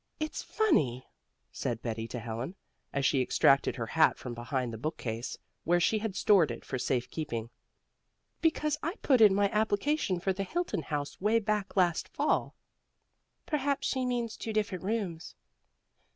"It's funny," said Betty to Helen, as she extracted her hat from behind the bookcase, where she had stored it for safe keeping, "because I put in my application for the Hilton house way back last fall." "Perhaps she means two different rooms."